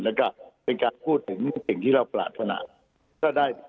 แล้วก็เป็นการพูดถึงนิ่งเฉ่งที่เราปราธนา